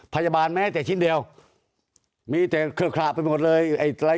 แม้แต่ชิ้นเดียวมีแต่เคลือขระไปหมดเลยไอ้อะไร